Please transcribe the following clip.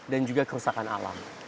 dan juga kerusakan alam